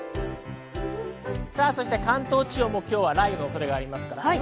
関東地方も今日は雷雨の恐れがあります。